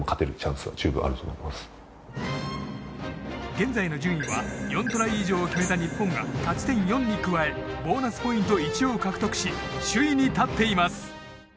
現在の順位は４トライ以上決めた日本が勝ち点４に加えボーナスポイント１を獲得し首位に立っています。